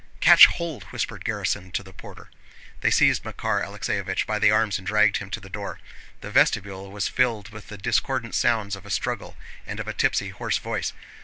"Catch hold!" whispered Gerásim to the porter. They seized Makár Alexéevich by the arms and dragged him to the door. The vestibule was filled with the discordant sounds of a struggle and of a tipsy, hoarse voice.